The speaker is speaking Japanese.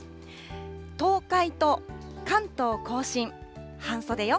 東海と関東甲信、半袖よ。